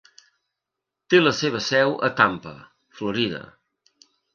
Té la seva seu a Tampa, Florida.